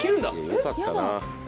よかったな。